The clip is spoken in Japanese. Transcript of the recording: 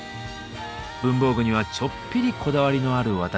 文房具にはちょっぴりこだわりのある私